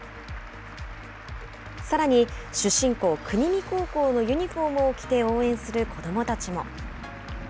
さらに出身校、国見高校のユニホームを着て応援する子どもたちも。